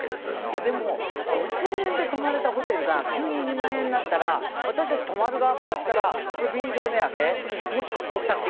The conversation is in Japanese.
いやでも５０００円で泊まれたホテルが急に２万円になったら私たち泊まる側からしたらこれ便乗値上げ？もしくはぼったくり？